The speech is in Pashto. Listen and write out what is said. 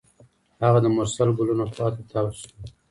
هغه د مرسل ګلونو خوا ته تاوه شوه.